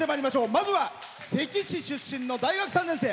まずは、関市出身の大学３年生。